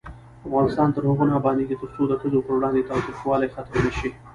افغانستان تر هغو نه ابادیږي، ترڅو د ښځو پر وړاندې تاوتریخوالی ختم نشي.